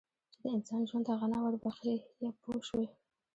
چې د انسان ژوند ته غنا ور بخښي پوه شوې!.